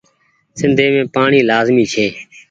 سندي مين پآڻيٚ لآزمي ڇي۔